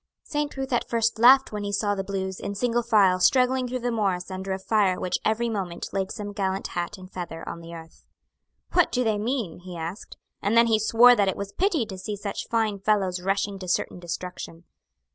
Saint Ruth at first laughed when he saw the Blues, in single file, struggling through the morass under a fire which every moment laid some gallant hat and feather on the earth. "What do they mean?" he asked; and then he swore that it was pity to see such fine fellows rushing to certain destruction.